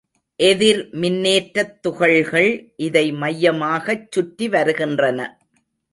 எதிர் மின்னேற்றத் துகள்கள் இதை மையமாகச் சுற்றிவருகின்றன.